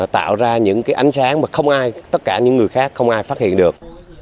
tạo ra những cái ánh sáng mà không ai tất cả những người khác không ai phát hiện được